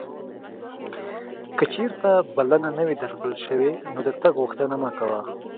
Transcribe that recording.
که چیرته بلنه نه وې درکړل شوې نو د تګ غوښتنه مه کوه.